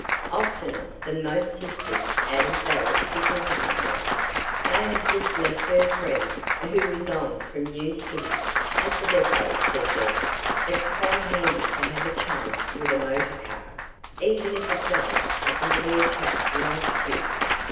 "Oftener than most sisters," added Belle significantly. "They have just left her friend, who was on from New City, at the depot," said Bess. "It's quite handy to have a chum with a motor car even if it does happen to be a chap like Sid."